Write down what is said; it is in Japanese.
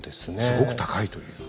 すごく高いという。